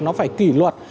nó phải kỷ luật